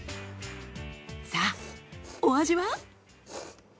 さあお味は？